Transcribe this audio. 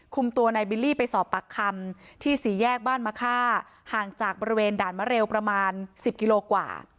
คุมตัวนายบิลลี่ไปสอบปากคำที่สี่แยกบ้านมะค่าห่างจากบริเวณด่านมะเร็วประมาณ๑๐กิโลกว่า